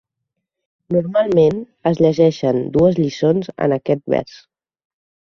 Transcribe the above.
Normalment, es llegeixen dues lliçons en aquest vers.